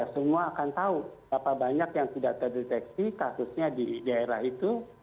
semua akan tahu berapa banyak yang tidak terdeteksi kasusnya di daerah itu